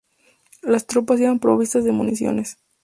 Las tropas iban provistas de municiones.